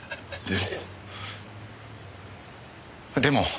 でも。